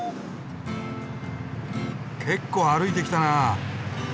結構歩いてきたな。